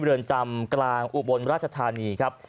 เรือนจำกลางอุบลราชธานีครับ